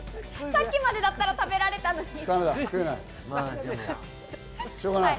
さっきまでだったら食べられしょうがない。